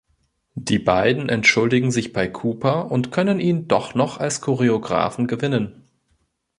Die beiden entschuldigen sich bei Cooper und können ihn doch noch als Choreographen gewinnen.